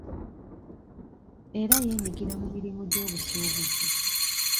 Era yenyigira mu mirimu gy'obusuubuzi.